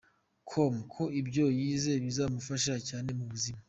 com ko ibyo yize bizamufasha cyane mu buzima.